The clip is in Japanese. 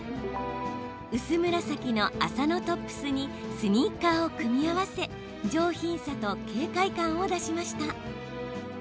薄紫の麻のトップスにスニーカーを組み合わせ上品さと軽快感を出しました。